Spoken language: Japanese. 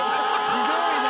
ひどいな・